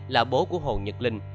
là bố của hồ nhật linh